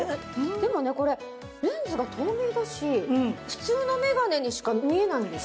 でもこれレンズが透明だし普通のメガネにしか見えないんです。